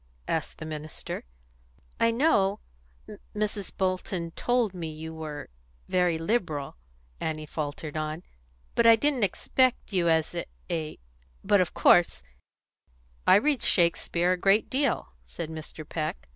asked the minister. "I know Mrs. Bolton told me you were very liberal," Annie faltered on; "but I didn't expect you as a But of course " "I read Shakespeare a great deal," said Mr. Peck.